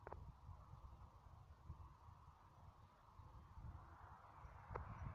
আমি বলি, টাকা থাকলে শান্তি স্টোরসে শান্তিও কিনতে পাওয়া যায়।